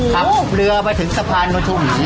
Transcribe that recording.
ขับเรือไปถึงสะพานกว่าทุ่ม